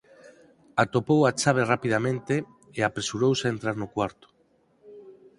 Atopou a chave rapidamente e apresurouse a entrar no cuarto.